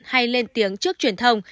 hay lên tiếng trước truyền thông